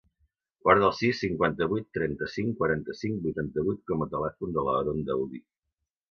Guarda el sis, cinquanta-vuit, trenta-cinc, quaranta-cinc, vuitanta-vuit com a telèfon de l'Aaron Daoudi.